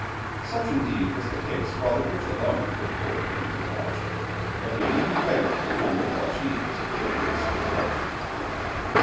Such indeed was the case while the rich alone could afford to be debauched; but when even beggars became debauchees, the case was altered.